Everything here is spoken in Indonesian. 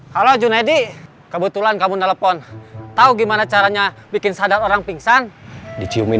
halo halo junedi kebetulan kamu telepon tahu gimana caranya bikin sadar orang pingsan diciumin